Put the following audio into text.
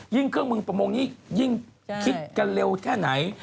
เครื่องมือประมงนี้ยิ่งคิดกันเร็วแค่ไหน